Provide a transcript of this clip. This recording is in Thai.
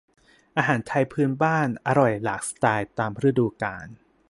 อาหารไทยพื้นบ้านอร่อยหลากสไตล์ตามฤดูกาล